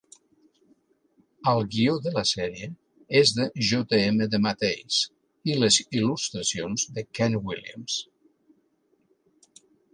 El guio de la sèrie és de J. M. DeMatteis i les il·lustracions de Kent Williams.